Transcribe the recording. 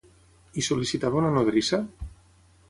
I sol·licitava una nodrissa?